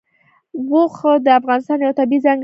اوښ د افغانستان یوه طبیعي ځانګړتیا ده.